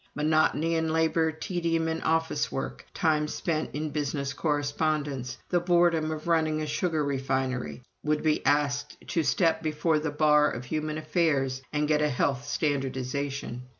Monotony in labor, tedium in officework, time spent in business correspondence, the boredom of running a sugar refinery, would be asked to step before the bar of human affairs and get a health standardization.